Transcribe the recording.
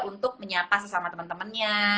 untuk menyapa sesama temen temennya